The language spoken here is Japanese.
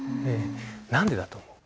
何でだと思う？